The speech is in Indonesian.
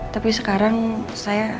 tapi sekarang saya